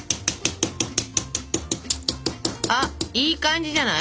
あいい感じじゃない？